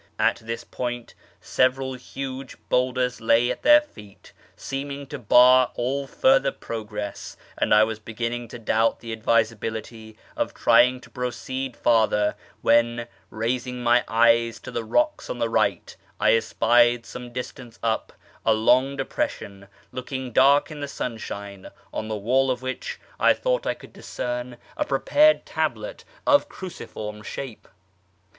At this point several huge boulders lay at their feet, seeming to bar all farther progress, and I was beginning to doubt the advisability of trying to proceed farther, when, raising my eyes to the rocks on the right, I espied, some distance up, a long depression, looking dark in the sunshine, on the wall of which I thought I could FROM ISFAHAN TO SHIRAZ 2^7 discern a prepared tablet of cruciform shape.